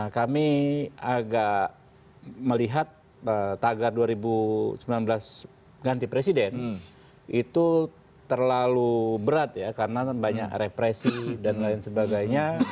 kami agak melihat tagar dua ribu sembilan belas ganti presiden itu terlalu berat ya karena banyak represi dan lain sebagainya